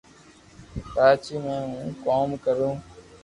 ڪراچي مي ھون ڪوم ڪرتو